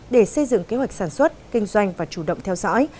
để xây dựng kế hoạch sản xuất kinh doanh và chủ động theo dõi